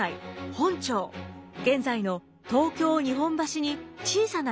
本町現在の東京・日本橋に小さな店を借ります。